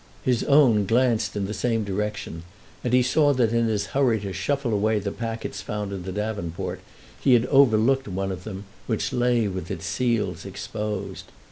His own glanced in the same direction and he saw that in his hurry to shuffle away the packets found in the davenport he had overlooked one of them, which lay with its seals exposed.